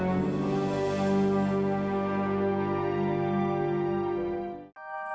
pihak betul betul kita